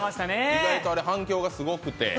意外とあれ反響がすごくて。